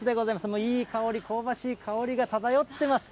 もういい香り、香ばしい香りが漂っています。